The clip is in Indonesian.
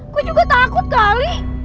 gue juga takut kali